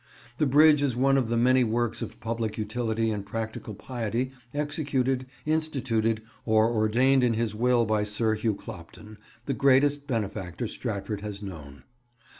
The bridge is one of the many works of public utility and practical piety executed, instituted, or ordained in his will by Sir Hugh Clopton, the greatest benefactor Stratford has known.